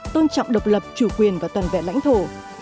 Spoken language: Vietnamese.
tôn trọng độc lập chủ quyền và toàn vẹn lãnh thổ